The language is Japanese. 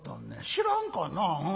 知らんかな。